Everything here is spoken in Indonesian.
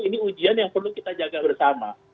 ini ujian yang perlu kita jaga bersama